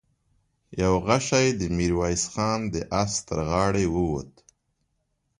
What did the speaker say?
يو غشۍ د ميرويس خان د آس تر غاړې ووت.